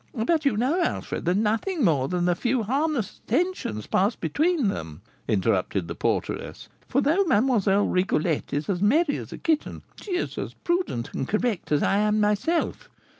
"But you know, Alfred, that nothing more than a few harmless attentions passed between them," interrupted the porteress; "for, though Mlle. Rigolette is as merry as a kitten, she is as prudent and correct as I am myself.